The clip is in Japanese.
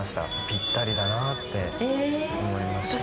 ぴったりだなって思いました。